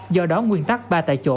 do đó nguyên tắc ba tại chỗ